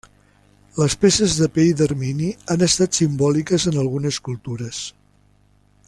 Les peces de pell d'ermini han estat simbòliques en algunes cultures.